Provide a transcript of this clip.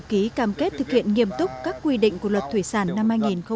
ký cam kết thực hiện nghiêm túc các quy định của luật thủy sản năm hai nghìn một mươi bảy